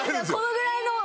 このぐらいの。